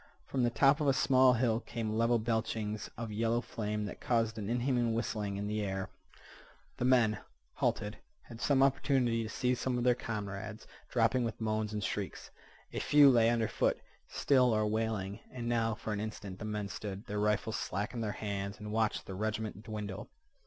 From the top of a small hill came level belchings of yellow flame that caused an inhuman whistling in the air. The men, halted, had opportunity to see some of their comrades dropping with moans and shrieks. A few lay under foot, still or wailing. And now for an instant the men stood, their rifles slack in their hands, and watched the regiment dwindle.